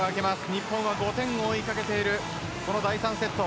日本は５点を追いかけているこの第３セット。